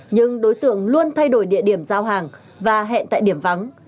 nhưng đối tượng luôn thay đổi địa điểm giao hàng và hẹn tại điểm vắng